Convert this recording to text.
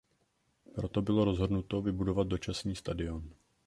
Proto bylo rozhodnuto vybudovat dočasný stadion.